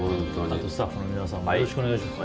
スタッフの皆さんもよろしくお願いします。